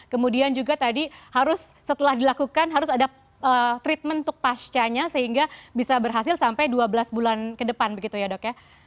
kemudian juga tadi harus setelah dilakukan harus ada treatment untuk pascanya sehingga bisa berhasil sampai dua belas bulan ke depan begitu ya dok ya